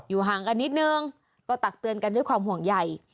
ห่างกันนิดนึงก็ตักเตือนกันด้วยความห่วงใหญ่